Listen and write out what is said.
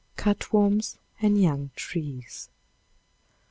Cutworms and Young Trees.